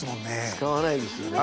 使わないですよね。